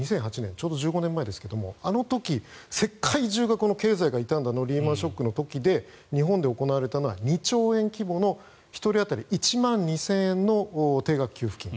ちょうど１５年前ですがあの時、世界中の経済が痛んだリーマン・ショックの時で日本で行われたのは２兆円規模の１人当たり１万２０００円の定額給付金。